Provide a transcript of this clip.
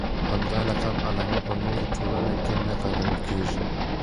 همدا لقب علامه په نورو ټولنو کې نه کارول کېږي.